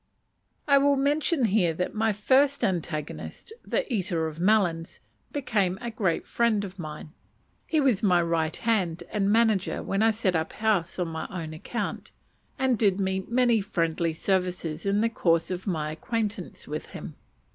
I will mention here that my first antagonist, "The Eater of Melons," became a great friend of mine. He was my right hand man and manager when I set up house on my own account, and did me many friendly services in the course of my acquaintance with him.